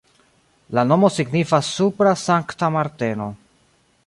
La nomo signifas supra Sankta Marteno.